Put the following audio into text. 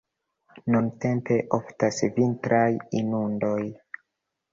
Nuntempe oftas vintraj inundoj.